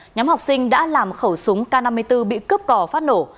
nhóm học sinh đã làm khẩu súng k năm mươi bốn bị cướp cò phát nổ